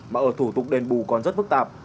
mà ở thủ tục đền bù còn rất phức tạp